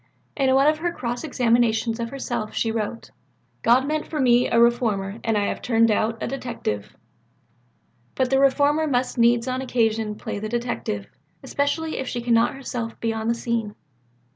In one of her cross examinations of herself, she wrote, "God meant me for a reformer and I have turned out a detective." But the reformer must needs on occasion play the detective especially if she cannot herself be on the scene.